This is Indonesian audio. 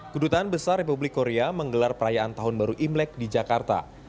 kedutaan besar republik korea menggelar perayaan tahun baru imlek di jakarta